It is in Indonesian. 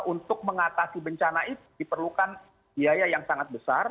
untuk mengatasi bencana itu diperlukan biaya yang sangat besar